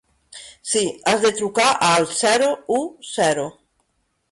Sí, has de trucar al zero u zero.